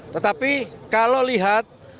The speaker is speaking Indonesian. tetapi kalau lihat